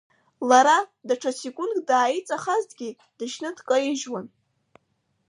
Лара, даҽа секундк дааиҵахазҭгьы, дышьны дкаижьуан.